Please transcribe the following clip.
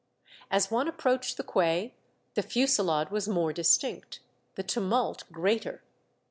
As one approached the quay the fusillade was more distinct, the tumult greater.